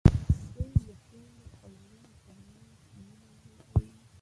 خور د خویندو او وروڼو ترمنځ مینه زېږوي.